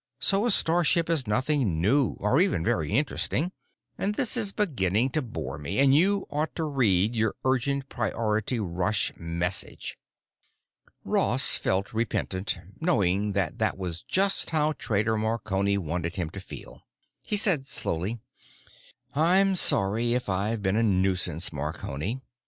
So a starship is nothing new or even very interesting, and this is beginning to bore me, and you ought to read your urgent priority rush message." Ross felt repentant—knowing that that was just how Trader Marconi wanted him to feel. He said slowly, "I'm sorry if I'm being a nuisance, Marconi.